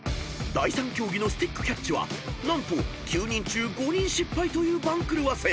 ［第３競技のスティックキャッチは何と９人中５人失敗という番狂わせ。